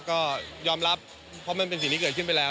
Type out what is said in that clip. ก็ยอมรับเพราะมันเป็นสิ่งที่เกิดขึ้นไปแล้ว